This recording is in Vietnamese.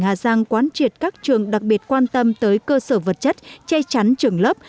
hà giang quán triệt các trường đặc biệt quan tâm tới cơ sở vật chất chay chắn trưởng lớp